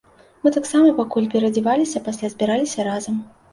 Мы таксама пакуль пераадзяваліся, пасля збіраліся разам.